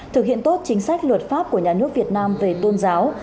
thực hiện tốt chính sách luật pháp của nhà nước việt nam về tôn giáo